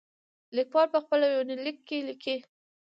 ليکوال په خپل يونليک کې ليکي.